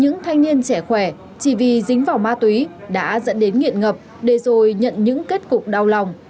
những thanh niên trẻ khỏe chỉ vì dính vào ma túy đã dẫn đến nghiện ngập để rồi nhận những kết cục đau lòng